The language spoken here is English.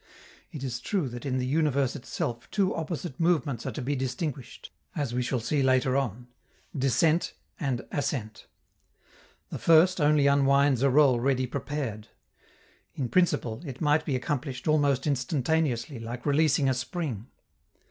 It is true that in the universe itself two opposite movements are to be distinguished, as we shall see later on, "descent" and "ascent." The first only unwinds a roll ready prepared. In principle, it might be accomplished almost instantaneously, like releasing a spring.